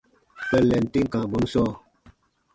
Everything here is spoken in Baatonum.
Kpɛllɛn tem kãa bɔnu sɔɔ.